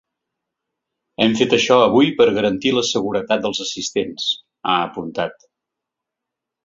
Hem fet això avui per garantir la seguretat dels assistents, ha apuntat.